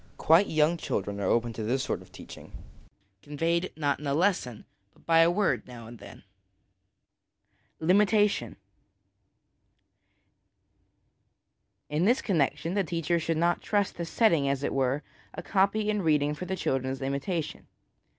Quite young children are open to this sort of teaching, conveyed, not in a lesson, but by a word now and then. Limitation. In this connecton the teacher should not trust to setting, as it were, a copy in reading for the children's imitation.